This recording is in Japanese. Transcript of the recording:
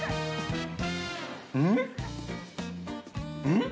うん？